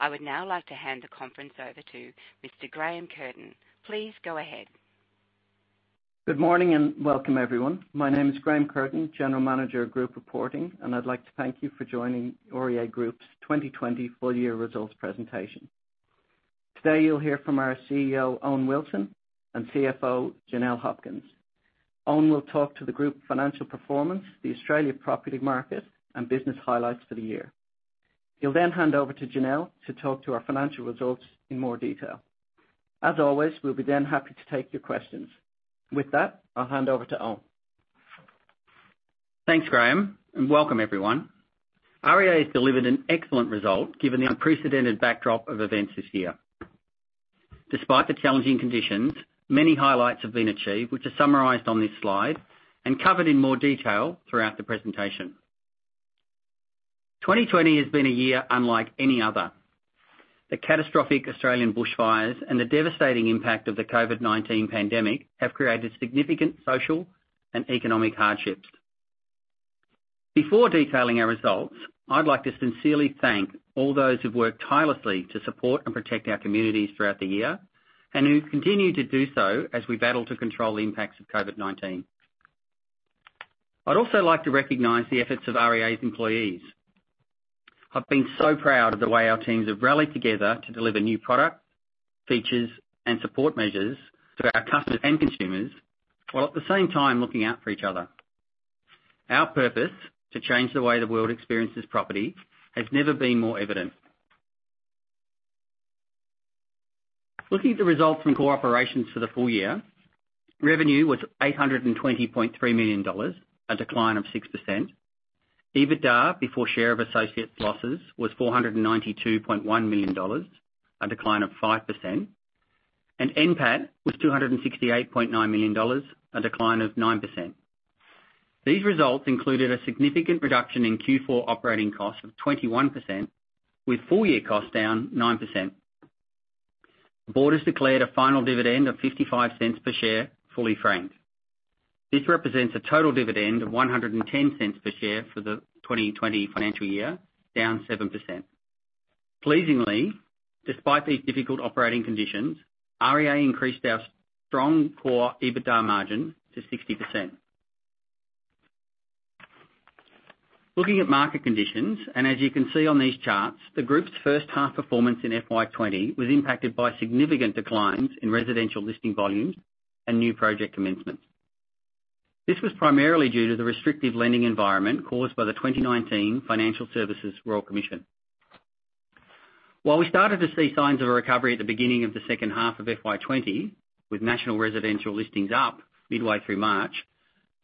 I would now like to hand the conference over to Mr. Graham Curtin. Please go ahead. Good morning and welcome, everyone. My name is Graham Curtin, General Manager of Group Reporting, and I'd like to thank you for joining REA Group's 2020 full-year results presentation. Today you'll hear from our CEO, Owen Wilson, and CFO, Janelle Hopkins. Owen will talk to the Group's financial performance, the Australian property market, and business highlights for the year. He'll then hand over to Janelle to talk to our financial results in more detail. As always, we'll be then happy to take your questions. With that, I'll hand over to Owen. Thanks, Graham, and welcome, everyone. REA has delivered an excellent result given the unprecedented backdrop of events this year. Despite the challenging conditions, many highlights have been achieved, which are summarized on this slide and covered in more detail throughout the presentation. 2020 has been a year unlike any other. The catastrophic Australian bushfires and the devastating impact of the COVID-19 pandemic have created significant social and economic hardships. Before detailing our results, I'd like to sincerely thank all those who've worked tirelessly to support and protect our communities throughout the year and who continue to do so as we battle to control the impacts of COVID-19. I'd also like to recognize the efforts of REA's employees. I've been so proud of the way our teams have rallied together to deliver new products, features, and support measures to our customers and consumers, while at the same time looking out for each other. Our purpose to change the way the world experiences property has never been more evident. Looking at the results from core operations for the full year, revenue was 820.3 million dollars, a decline of 6%. EBITDA before share of associates losses was 492.1 million dollars, a decline of 5%, and NPAT was 268.9 million dollars, a decline of 9%. These results included a significant reduction in Q4 operating costs of 21%, with full-year costs down 9%. Board has declared a final dividend of 0.55 per share, fully franked. This represents a total dividend of 1.10 per share for the 2020 financial year, down 7%. Pleasingly, despite these difficult operating conditions, REA Group increased our strong core EBITDA margin to 60%. Looking at market conditions, and as you can see on these charts, the Group's first-half performance in FY20 was impacted by significant declines in residential listing volumes and new project commencements. This was primarily due to the restrictive lending environment caused by the 2019 Financial Services Royal Commission. While we started to see signs of a recovery at the beginning of the second half of FY20, with national residential listings up midway through March,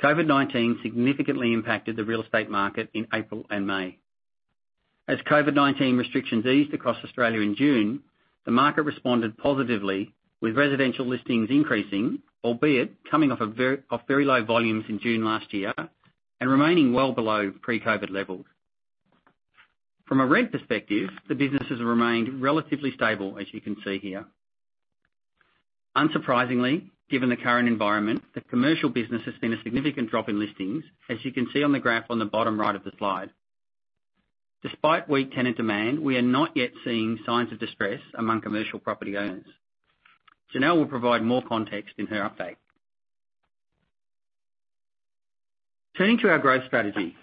COVID-19 significantly impacted the real estate market in April and May. As COVID-19 restrictions eased across Australia in June, the market responded positively, with residential listings increasing, albeit coming off very low volumes in June last year and remaining well below pre-COVID levels. From a rent perspective, the businesses remained relatively stable, as you can see here. Unsurprisingly, given the current environment, the commercial business has seen a significant drop in listings, as you can see on the graph on the bottom right of the slide. Despite weak tenant demand, we are not yet seeing signs of distress among commercial property owners. Janelle will provide more context in her update. Turning to our growth strategy,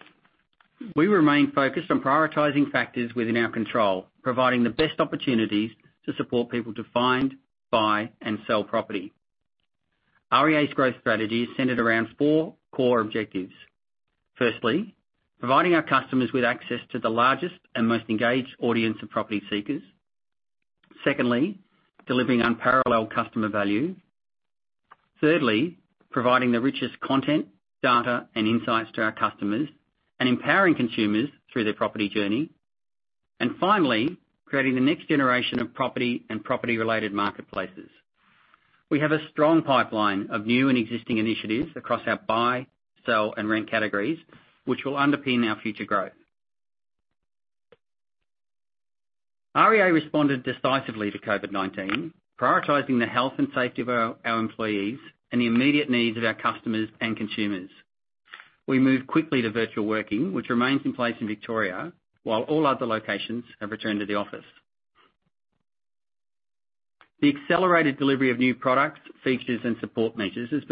we remain focused on prioritizing factors within our control, providing the best opportunities to support people to find, buy, and sell property. REA Group's growth strategy is centered around four core objectives. Firstly, providing our customers with access to the largest and most engaged audience of property seekers. Secondly, delivering unparalleled customer value. Thirdly, providing the richest content, data, and insights to our customers and empowering consumers through their property journey. Finally, creating the next generation of property and property-related marketplaces. We have a strong pipeline of new and existing initiatives across our buy, sell, and rent categories, which will underpin our future growth. REA Group responded decisively to COVID-19, prioritizing the health and safety of our employees and the immediate needs of our customers and consumers. We moved quickly to virtual working, which remains in place in Victoria, while all other locations have returned to the office. The accelerated delivery of new products, features, and support measures has.